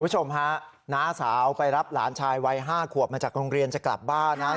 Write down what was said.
คุณผู้ชมฮะน้าสาวไปรับหลานชายวัย๕ขวบมาจากโรงเรียนจะกลับบ้านนะ